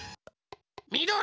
みどり。